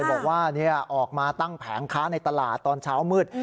บอกว่าออกมาตั้งแผงค้าในตลาดตอนเช้ามืด